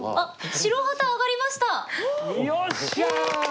白旗上がりました。